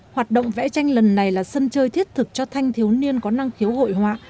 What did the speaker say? hoạt động vẽ tranh lần này là sân chơi thiết thực cho thanh thiếu niên có năng khiếu hội họa